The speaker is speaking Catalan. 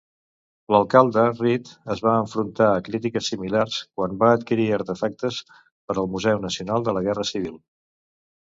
L'alcalde Reed es va enfrontar a crítiques similars quan va adquirir artefactes per al Museu Nacional de la Guerra Civil.